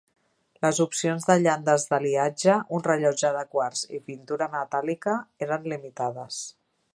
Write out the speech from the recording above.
Les opcions de llandes d'aliatge, un rellotge de quars i pintura metàl·lica eren limitades.